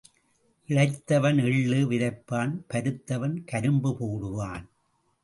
இளைத்தவன் எள்ளு விதைப்பான் பருத்தவன் கரும்பு போடுவான்.